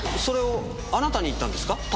それをあなたに言ったんですか？